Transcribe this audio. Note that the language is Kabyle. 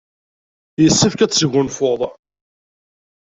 Yessefk ad tesgunfuḍ.